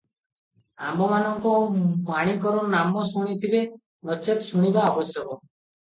ଆମ୍ଭମାନଙ୍କ ମାଣିକର ନାମ ଶୁଣିଥିବେ, ନଚେତ୍ ଶୁଣିବା ଆବଶ୍ୟକ ।